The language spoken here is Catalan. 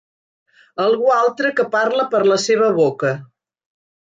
Algú altre que parla per la seva boca.